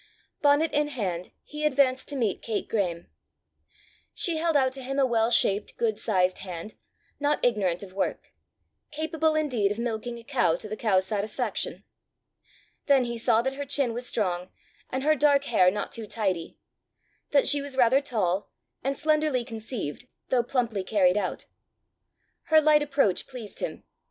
Bonnet in hand he advanced to meet Kate Graeme. She held out to him a well shaped, good sized hand, not ignorant of work capable indeed of milking a cow to the cow's satisfaction. Then he saw that her chin was strong, and her dark hair not too tidy; that she was rather tall, and slenderly conceived though plumply carried out. Her light approach pleased him.